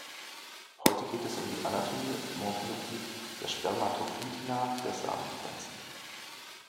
Heute geht es um die Anatomie und Morphologie der Spermatophytina, der Samenpflanzen.